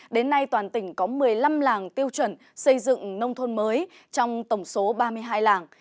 đến nay toàn tỉnh có một mươi năm làng tiêu chuẩn xây dựng nông thôn mới trong tổng số ba mươi hai làng